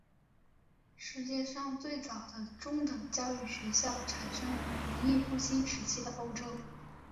世界上最早的中等教育学校产生于文艺复兴时期的欧洲。